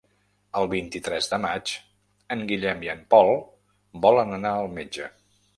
El vint-i-tres de maig en Guillem i en Pol volen anar al metge.